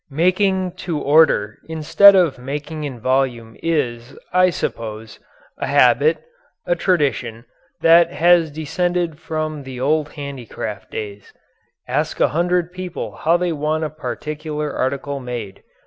Making "to order" instead of making in volume is, I suppose, a habit, a tradition, that has descended from the old handicraft days. Ask a hundred people how they want a particular article made.